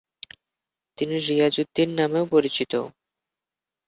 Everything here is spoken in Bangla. তিনি রিয়াজ-উদ-দ্বীন নামেও পরিচিত।